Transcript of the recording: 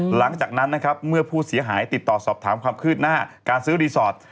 หลังจากนั้นนะครับเมื่อผู้เสียหายติดต่อสอบถามความคืบหน้าการซื้อรีสอร์ท